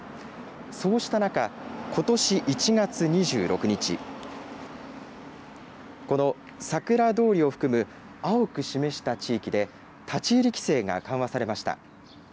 そうした中、ことし１月２６日、この桜通りを含む、青く示した地域で、立ち入り規制が緩和されました。